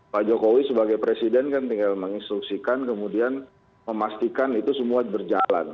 pak jokowi sebagai presiden kan tinggal menginstruksikan kemudian memastikan itu semua berjalan